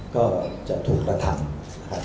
ก็จะถูกกระทำครับ